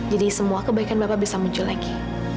jadi semua kebaikan bapak bisa muncul lagi